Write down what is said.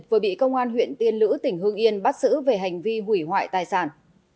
vừa bị công an huyện tiên lữ tỉnh hương yên bắt xử về hành vi hủy hoại tài sản